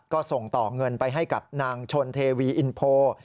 ก็ส่งต่อเงินไปให้กับนางชนเทวีอินโพ